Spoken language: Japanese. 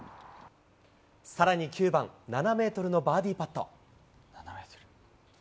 さらに９番、７メートルのバーディーパット。